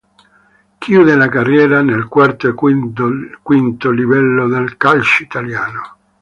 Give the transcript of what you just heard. Chiude la carriera nel quarto e quinto livello del calcio italiano.